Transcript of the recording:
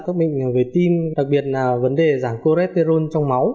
các bệnh về tim đặc biệt là vấn đề giảm cholesterol trong máu